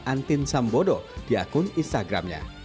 antin sambodo di akun instagramnya